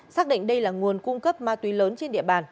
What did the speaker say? xác định đây là nguồn cung cấp ma túy lớn trên địa bàn